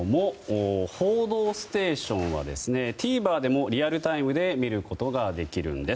「報道ステーション」はＴＶｅｒでもリアルタイムで見ることができるんです。